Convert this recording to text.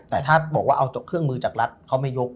แต่ถ้าบอกว่าเอาเครื่องมือจากรัฐเขาไม่ยก